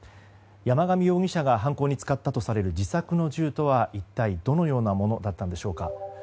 山上容疑者が犯行に使ったとされる自作の銃とは一体どのようなものだったんでしょうか。